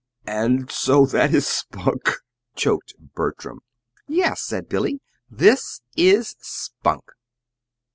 "And so that is Spunk!" choked Bertram. "Yes," said Billy. "This is Spunk."